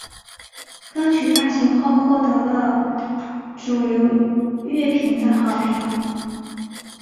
歌曲发行后获得了主流乐评的好评。